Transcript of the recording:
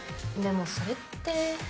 でも、それって。